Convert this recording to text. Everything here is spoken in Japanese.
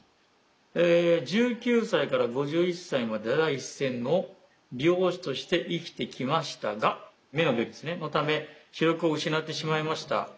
「１９歳から５１歳まで第一線の美容師として生きてきましたが目の病気のため視力を失ってしまいました。